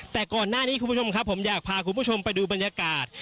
แต่ก่อนหน้านี้คุณผู้ชมครับผมอยากพาคุณผู้ชมไปดูบรรยากาศ